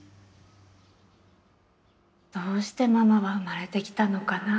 どうしてママは生まれてきたのかなあ？